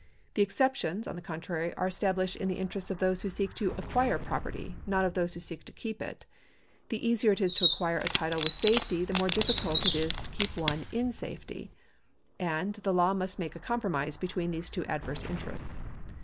The exceptions, on the contrary, are established in the interests of those who seek to acquire property, not of those who seek to keep it. The easier it is to acquire a title with safety, the more difficult it is to keep one in safety ; and 1 D. 50. 17. 54. § 163] THE LAW OF PROPERTY 415 the law must make a eompromise between these two adverse interests.